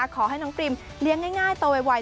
ขอให้น้องปริมเลี้ยงง่ายโตไว